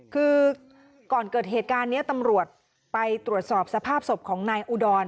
คือก่อนเกิดเหตุการณ์นี้ตำรวจไปตรวจสอบสภาพศพของนายอุดร